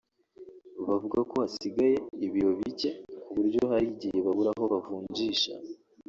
bavuga ko hasigaye ibiro bike ku buryo hari igihe babura aho bavunjisha